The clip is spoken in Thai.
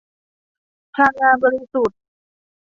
พลังงานบริสุทธิ์